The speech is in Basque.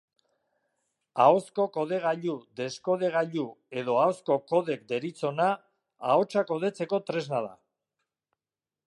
Ahozko kodegailu-deskodegailu edo ahozko kodek deritzona, ahotsa kodetzeko tresna da.